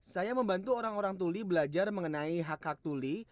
saya membantu orang orang tuli belajar mengenai hak hak tuli